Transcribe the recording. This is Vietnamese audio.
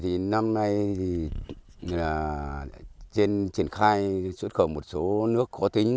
thì năm nay trên triển khai xuất khẩu một số nước có tính